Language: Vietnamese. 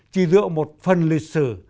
chỉ dựa một phần lịch sử